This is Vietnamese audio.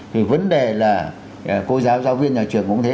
thì vấn đề là cô giáo giáo viên nhà trường cũng thế